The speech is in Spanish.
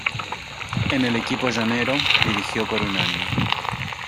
En el equipo llanero, dirigió por un año.